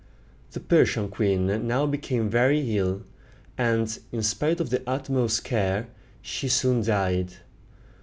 The Persian queen now became very ill, and, in spite of the utmost care, she soon died.